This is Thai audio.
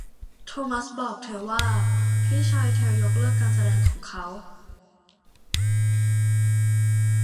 โทมัสบอกเธอว่าพี่ชายเธอยกเลิกการแสดงของเขา